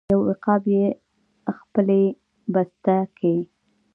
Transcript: یو عقاب یې خپلې بسته کې